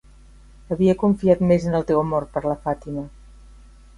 Havia confiat més en el teu amor per la Fatima.